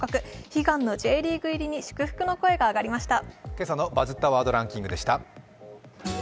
悲願のＪリーグ入りに祝福の声が上がりました。